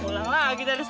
pulang lagi dari satu